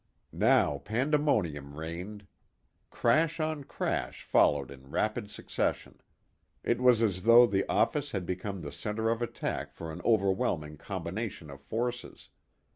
Now pandemonium reigned. Crash on crash followed in rapid succession. It was as though the office had become the centre of attack for an overwhelming combination of forces.